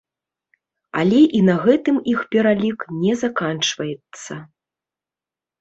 Але і на гэтым іх пералік не заканчваецца.